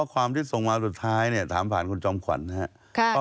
ความที่ส่งมาสุดท้ายเนี่ยถามผ่านคุณจอมขวัญนะครับ